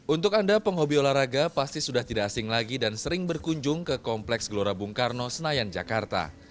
untuk anda penghobi olahraga pasti sudah tidak asing lagi dan sering berkunjung ke kompleks gelora bung karno senayan jakarta